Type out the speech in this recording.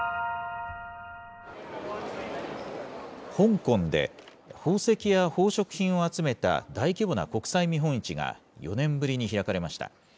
香港で宝石や宝飾品を集めた大規模な国際見本市が４年ぶりに開かれました。